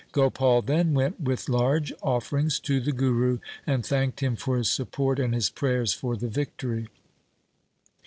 Gopal then went with large offerings to the Guru and thanked him for his support and his prayers for the victory.